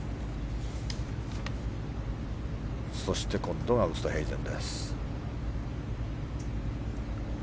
そして今度はウーストヘイゼン。